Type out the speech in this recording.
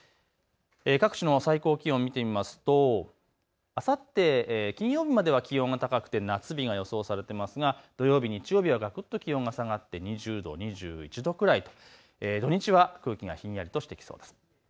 各地の最高気温を見てみますとあさって金曜日までは気温が高くて夏日が予想されていますが、土曜日、日曜日はがくっと気温が下がって２０度、２１度くらい、土日は空気がひんやりとしてきそうです。